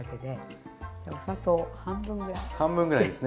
お砂糖半分ぐらいです。